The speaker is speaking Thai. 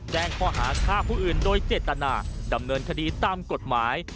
แจ้งข้อหาฆ่าผู้อื่นโดยเจตนาดำเนินคดีตามกฎหมาย